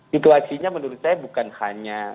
situasinya menurut saya bukan hanya